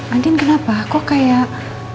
andin kenapa kok kayak